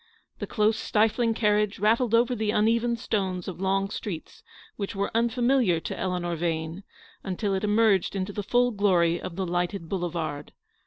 The close, stifling carriage rattled over the uneven stones of long streets which were un familiar to Eleanor Vane, until it emerged into the full glory of the lighted Boulevard.